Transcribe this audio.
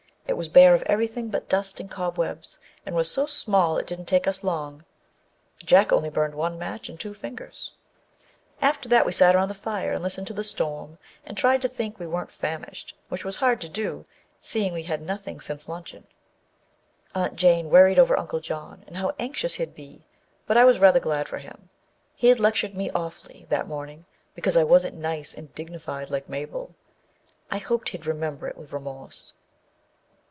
It was bare of everything but dust and cobwebs, and was so small it didn't take us long â Jack only burned one match and two fingers. 124 The Ghost in the Red Shirt After that we sat around the fire and listened to the storm, and tried to think we weren't famished, which was hard to do, seeing we had had nothing since luncheon. Aunt Jane worried over Uncle John and how anxious he'd be, but I was rather glad for him. He'd lectured me awfully that morning be cause I wasn't nice and dignified, like Mabel. I hoped he'd remember it with remorse.